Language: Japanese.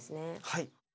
はい。